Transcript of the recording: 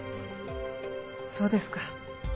そうですか。